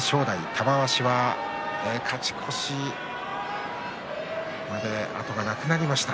玉鷲は勝ち越しまで後がなくなりました。